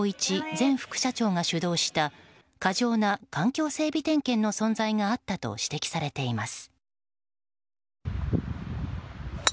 前副社長が主導した過剰な環境整備点検の存在があったと指摘されています。